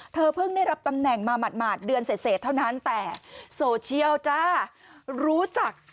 เพิ่งได้รับตำแหน่งมาหมาดเดือนเสร็จเท่านั้นแต่โซเชียลจ้ารู้จัก